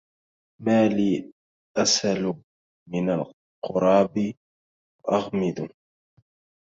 مالي أسل من القراب وأغمد